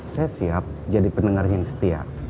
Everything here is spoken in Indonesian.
saya siap jadi pendengar yang setia